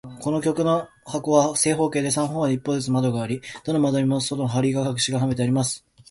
この旅行用の箱は、正方形で、三方の壁に一つずつ窓があり、どの窓にも外側から鉄の針金の格子がはめてあります。